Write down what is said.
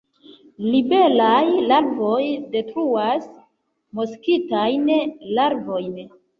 Libelaj larvoj detruas moskitajn larvojn.